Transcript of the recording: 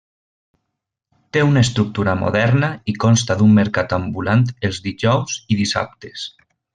Té una estructura moderna i consta d'un mercat ambulant els dijous i dissabtes.